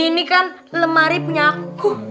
ini kan lemari punya aku